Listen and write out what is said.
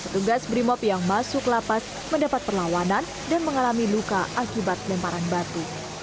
petugas brimob yang masuk lapas mendapat perlawanan dan mengalami luka akibat lemparan batu